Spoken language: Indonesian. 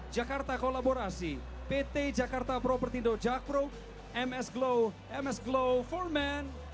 jakarta kolaborasi pt jakarta property dojak pro ms glow ms glow fullman